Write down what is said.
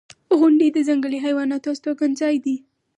• غونډۍ د ځنګلي حیواناتو استوګنځای دی.